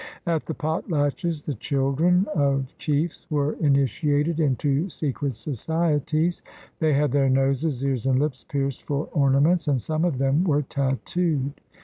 At the potlatches the children of chiefs were initiated into secret societies. They had their noses, ears, and lips pierced for ornaments, and some of them were tattooed.